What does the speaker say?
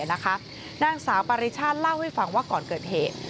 นางสาวปริชาติเล่าให้ฟังว่าก่อนเกิดเหตุ